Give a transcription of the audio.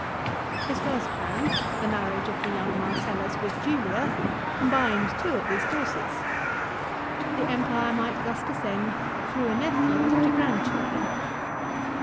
His first plan, the marriage of the young Marcellus with Julia, combined two of these courses. The Empire might thus descend through a nephew to grand children.